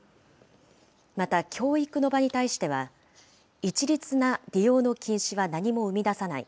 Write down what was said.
また教育の場に対しては、一律な利用の禁止は何も生み出さない。